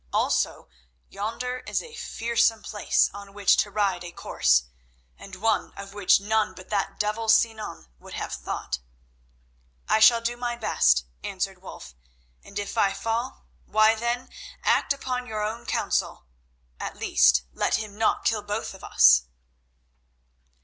Also, yonder is a fearsome place on which to ride a course, and one of which none but that devil Sinan would have thought." "I shall do my best," answered Wulf, "and if I fall, why, then, act upon your own counsel. At least, let him not kill both of us."